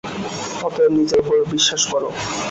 অতএব নিজের উপর বিশ্বাস কর।